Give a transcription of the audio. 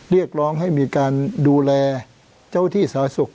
เรียกร้องให้มีการดูแลเจ้าที่สาธารณสุข